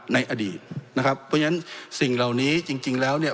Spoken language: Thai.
ในอดีตนะครับเพราะฉะนั้นสิ่งเหล่านี้จริงจริงแล้วเนี่ย